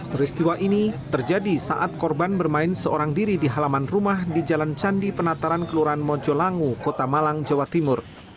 peristiwa ini terjadi saat korban bermain seorang diri di halaman rumah di jalan candi penataran kelurahan mojolangu kota malang jawa timur